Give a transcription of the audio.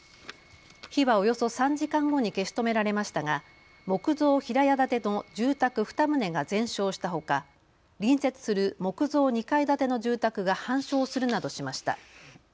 火はおよそ３時間後に消し止められましたが木造平屋建ての住宅２棟が全焼したほか隣接する木造２階建ての住宅が半焼するなどしました。